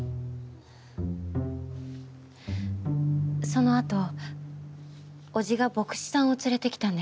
そのあと伯父が牧師さんを連れてきたんです。